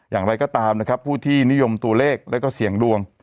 อย่างไรก็ตามนะครับผู้ที่นิยมตัวเลขแล้วก็เสี่ยงดวง